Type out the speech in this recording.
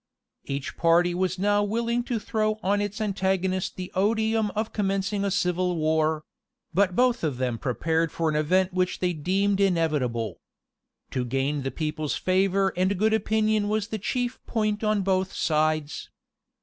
Each party was now willing to throw on its antagonist the odium of commencing a civil war; but both of them prepared for an event which they deemed inevitable. To gain the people's favor and good opinion was the chief point on both sides.